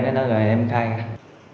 cái đó rồi em khai ngay